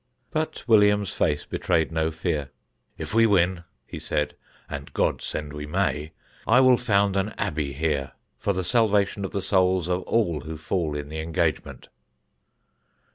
But William's face betrayed no fear. "If we win," he said, "and God send we may, I will found an Abbey here for the salvation of the souls of all who fall in the engagement."